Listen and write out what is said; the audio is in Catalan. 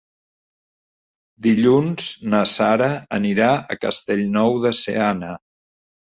Dilluns na Sara anirà a Castellnou de Seana.